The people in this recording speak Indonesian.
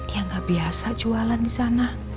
ya nggak biasa jualan di sana